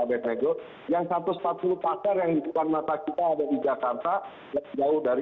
enam belas tujuh ratus pak abed yang satu ratus empat puluh pasar yang di depan mata kita ada di jakarta tak jauh dari